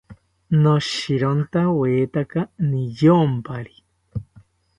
Noshirontawetaka niyompari